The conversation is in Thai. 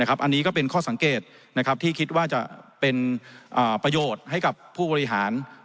อันนี้ก็เป็นข้อสังเกตที่คิดว่าจะเป็นประโยชน์ให้กับผู้บริหาร